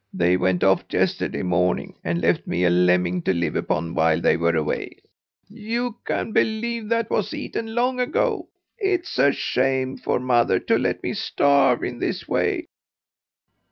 They went off yesterday morning and left me a lemming to live upon while they were away. You can believe that was eaten long ago. It's a shame for mother to let me starve in this way!"